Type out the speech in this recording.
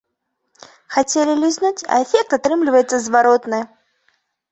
Хацелі лізнуць, а эфект атрымліваецца зваротны!